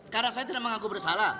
karena saya tidak mengaku bersalah